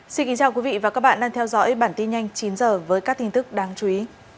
xin kính chào quý vị và các bạn đang theo dõi bản tin nhanh chín h với các tin tức đáng chú ý